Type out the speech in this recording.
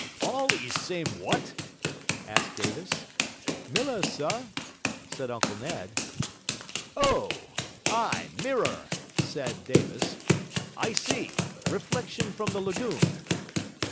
'All e same WHAT?' asked Davis. 'Milla, sah,' said Uncle Ned. 'Oh, ah! mirror,' said Davis. 'I see; reflection from the lagoon.